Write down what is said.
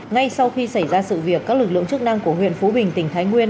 ngay sau khi xảy ra sự việc các lực lượng chức năng của huyện phú bình tỉnh thái nguyên